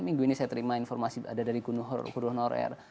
minggu ini saya terima informasi ada dari gunuh norer